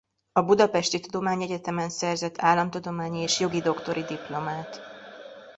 A Budapesti Tudományegyetemen szerzett államtudományi és jogi doktori diplomát.